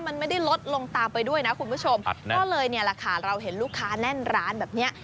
มันไม่ได้ลดลงตามไปด้วยนะคุณผู้ชมก็เลยเนี่ยแหละค่ะเราเห็นลูกค้าแน่นร้านแบบเนี้ย